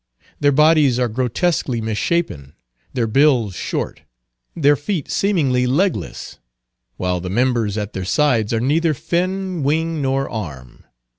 Their bodies are grotesquely misshapen; their bills short; their feet seemingly legless; while the members at their sides are neither fin, wing, nor arm.